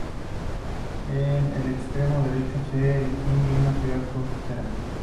En el extremo derecho, se distingue una ciudad costera.